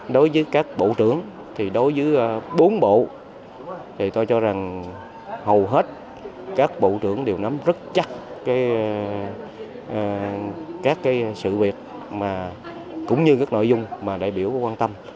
đối với các bộ trưởng thì đối với bốn bộ thì tôi cho rằng hầu hết các bộ trưởng đều nắm rất chắc các sự việc cũng như các nội dung mà đại biểu quan tâm